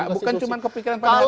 bukan cuma kepikiran pada hari ini